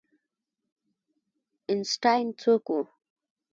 آینسټاین څوک و؟